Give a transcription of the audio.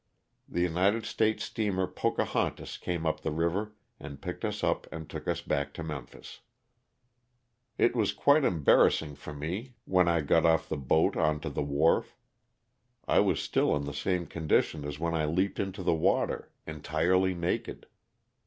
The United States steamer *' Pocahontas " came up the river and picked us up and took us back to Memphis. It was quite embarrassing for me when I got off the 164 LOSS OF THE SULTAl^A. boat onto the wharf. I was still in the same condition as when I leaped into the water — entirely naked.